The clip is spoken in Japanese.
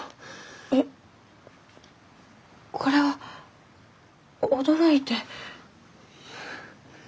いえこれは驚いて。